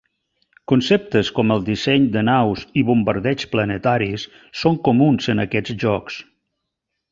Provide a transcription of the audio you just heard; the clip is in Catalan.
Conceptes com el disseny de naus i bombardeigs planetaris són comuns en aquests jocs.